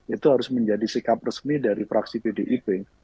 itu harus menjadi sikap resmi dari fraksi pdip